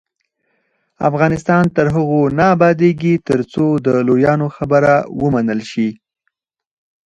افغانستان تر هغو نه ابادیږي، ترڅو د لویانو خبره ومنل شي.